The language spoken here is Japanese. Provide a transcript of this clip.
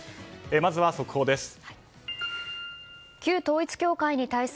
まず速報です。